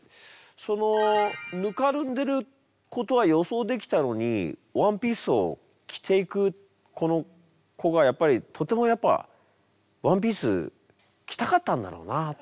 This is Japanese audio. そのぬかるんでることは予想できたのにワンピースを着ていくこの子がやっぱりとてもやっぱワンピース着たかったんだろうなっていうね。